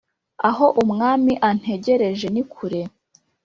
aho umwami antegereje nikure